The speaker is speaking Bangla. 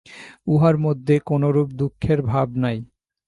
উহার মধ্যে কোনরূপ দুঃখের ভাব নাই।